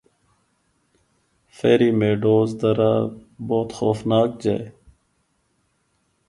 Ferry Meadows دا راہ بہت خوفناک جا ہے۔